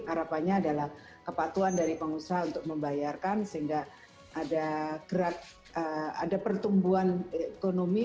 harapannya adalah kepatuan dari pengusaha untuk membayarkan sehingga ada pertumbuhan ekonomi